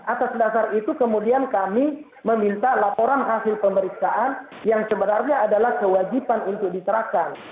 atas dasar itu kemudian kami meminta laporan hasil pemeriksaan yang sebenarnya adalah kewajiban untuk diserahkan